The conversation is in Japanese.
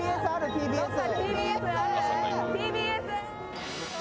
ＴＢＳ。